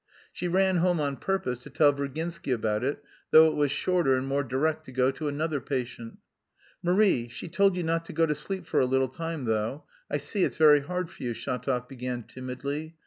She ran home on purpose to tell Virginsky about it, though it was shorter and more direct to go to another patient. "Marie, she told you not to go to sleep for a little time, though, I see, it's very hard for you," Shatov began timidly.